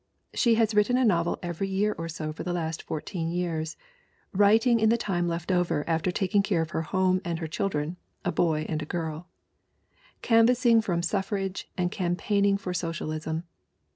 She has written a novel every year or so for the last four teen years, writing in the time left over after taking care of her home and her children, a boy and a girl; canvassing for suffrage and campaigning for Social ism.